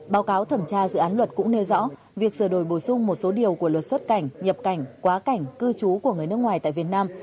báo cáo thẩm tra dự án luật cũng nêu rõ việc sửa đổi bổ sung một số điều của luật xuất cảnh nhập cảnh quá cảnh cư trú của người nước ngoài tại việt nam